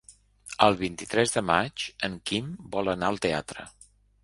El vint-i-tres de maig en Quim vol anar al teatre.